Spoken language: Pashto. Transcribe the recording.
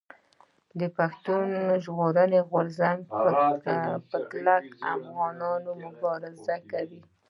پښتون ژغورني غورځنګ په کلک افغاني مبارزه کوي.